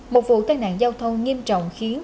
một vụ tai nạn giao thông nghiêm trọng khiến